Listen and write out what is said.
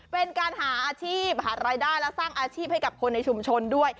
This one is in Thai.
เป็นการหาอาชีพหารายได้และสร้างอาชีพให้กับคนในชุมชนด้วย